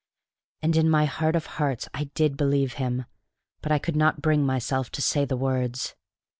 And in my heart of hearts I did believe him; but I could not bring myself to say the words.